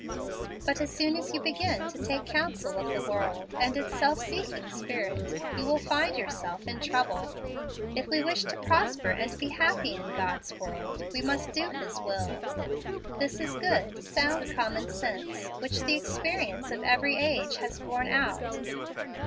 But as soon as you begin to take counsel of the world and its self seeking spirit, you will find yourself in trouble. If we wish to prosper and be happy in God's world, we must do His will. This is good, sound common sense, which the experience of every age has borne out.